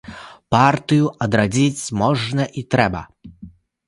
Партыю адрадзіць можна і трэба.